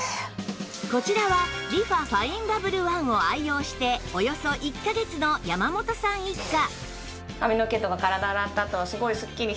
こちらはリファファインバブルワンを愛用しておよそ１カ月の山本さん一家